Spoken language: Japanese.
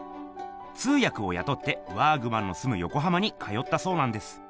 通やくをやとってワーグマンのすむよこはまに通ったそうなんです。